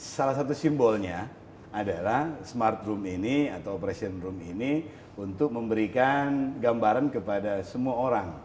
salah satu simbolnya adalah smart room ini atau operation room ini untuk memberikan gambaran kepada semua orang